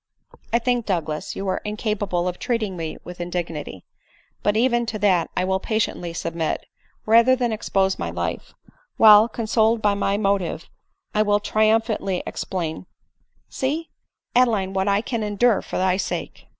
I think, Douglas, you are incapable of treating me with indignity; but even to that I will patient ly submit, rather than expose my life ; while, consoled Dy my motive, I will triumphantly exclaim —* See, Ade line what I can endure for thy sake